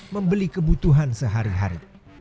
membeli kebutuhan sehari hari